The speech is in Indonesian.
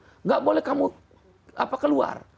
tidak boleh kamu keluar